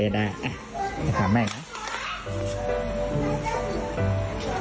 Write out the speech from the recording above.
แต่ถามแม่งนะ